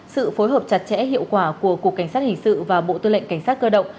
sự phối hợp chặt chẽ hiệu quả của cục cảnh sát hình sự và bộ tư lệnh cảnh sát cơ động